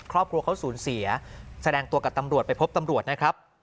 ครอบครัวเขาสูญเสียแสดงตัวกับตำรวจไปพบตำรวจนะครับ